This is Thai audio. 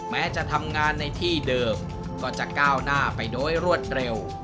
แม้จะทำงานในที่เดิมก็จะก้าวหน้าไปโดยรวดเร็ว